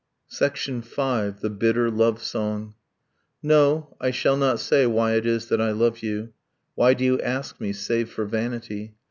V. THE BITTER LOVE SONG No, I shall not say why it is that I love you Why do you ask me, save for vanity?